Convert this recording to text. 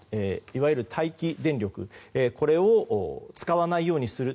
いわゆる待機電力これを使わないようにする。